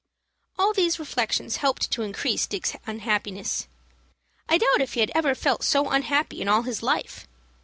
All these reflections helped to increase Dick's unhappiness. I doubt if he had ever felt so unhappy in all his life.